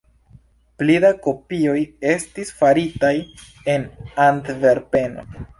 Pli da kopioj estis faritaj en Antverpeno.